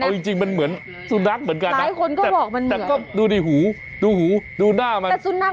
เอาจริงมันเหมือนสุนัขเหมือนกันนะแต่ก็ดูในหูดูหูดูหน้ามัน